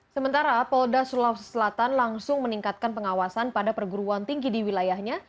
sementara polda sulawesi selatan langsung meningkatkan pengawasan pada perguruan tinggi di wilayahnya